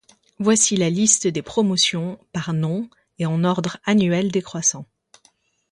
Voici la liste des promotions par nom et en ordre annuel décroissant.